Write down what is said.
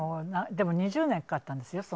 でも、２０年かかったんですよ。